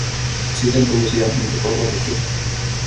Siten tuli sian hinta korvatuksi.